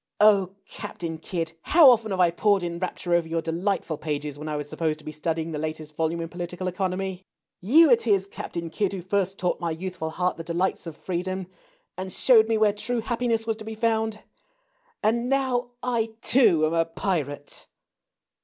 Oh, Captain Kidd, how often have I pored in rapture over your delightful pages when I was supposed to be studying the latest volume in political economy ! You it is. Captain Kidd, who first taught my youthful heart the delights of freedom and showed 238 THE CHILDREN'S WONDER BOOK. me where true happiness was to be found. And now I, too, am a pirate